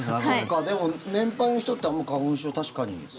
そうかでも年配の人ってあんま花粉症、確かに。